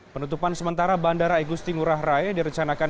penutupan sementara bandara agusti ngurah raya direncanakan